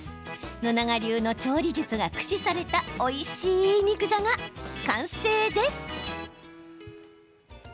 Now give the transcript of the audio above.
野永流の調理術が駆使されたおいしい肉じゃが、完成です。